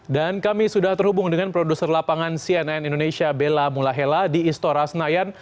dan kami sudah terhubung dengan produser lapangan cnn indonesia bella mulahela di istora senayan